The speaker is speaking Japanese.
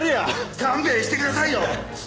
勘弁してくださいよ！